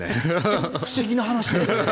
不思議な話ですよね。